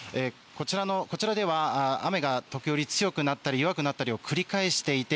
こちらでは雨が時折強くなったり弱くなったりを繰り返していて